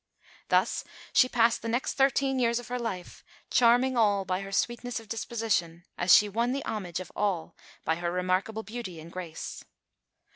Thus she passed the next thirteen years of her young life, charming all by her sweetness of disposition, as she won the homage of all by her remarkable beauty and grace.